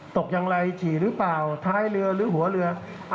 ตกอย่างไรฉี่หรือเปล่าท้ายเรือหรือหัวเรือ